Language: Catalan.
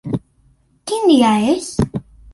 Quin dia és?